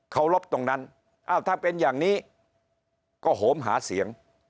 เขารบตรงนั้นอ้าวถ้าเป็นอย่างนี้ก็โหมหาเสียง